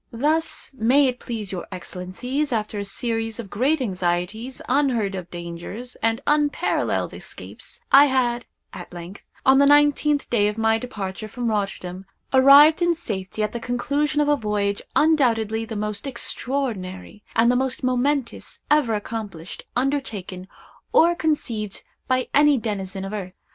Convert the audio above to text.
"Thus, may it please your Excellencies, after a series of great anxieties, unheard of dangers, and unparalleled escapes, I had, at length, on the nineteenth day of my departure from Rotterdam, arrived in safety at the conclusion of a voyage undoubtedly the most extraordinary, and the most momentous, ever accomplished, undertaken, or conceived by any denizen of earth.